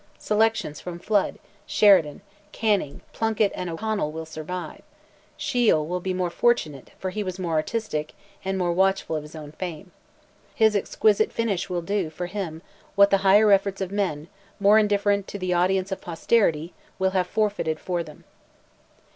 Selections from Flood, Sheridan, Canning, Plunkett and O'Connell will survive; Shiel will be more fortunate for he was more artistic, and more watchful of his own fame. His exquisite finish will do, for him, what the higher efforts of men, more indifferent to the audience of posterity, will have forfeited for them.